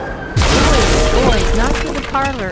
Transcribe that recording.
"Boys, boys, not through the parlor!"